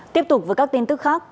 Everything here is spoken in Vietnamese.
tiếp tục với các tin tức khác